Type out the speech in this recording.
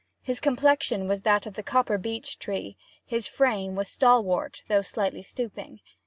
His complexion was that of the copper beech tree. His frame was stalwart, though slightly stooping.